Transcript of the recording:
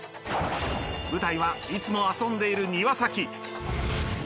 舞台はいつも遊んでいる庭先。